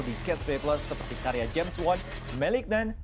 di catch play plus seperti karya james wan malikton